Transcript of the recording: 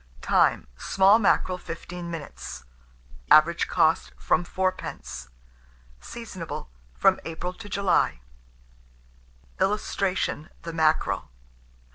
Time. Small mackerel 15 minutes. Average cost, from 4d. Seasonable from April to July. [Illustration: THE MACKEREL.